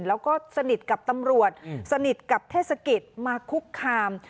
แล้วก็สนิทกับตำรวจสนิทกับเทศกิจมาคุกคาม